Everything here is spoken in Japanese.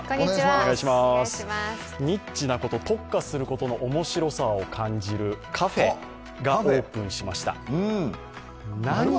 ニッチなこと、特化することの面白さを感じるカフェがオープンしました。